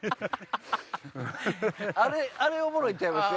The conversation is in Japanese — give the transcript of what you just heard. あれおもろいんちゃいます？